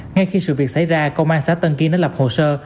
ngay khi sự việc xảy ra công an xã tân kiên đã lập hồ sơ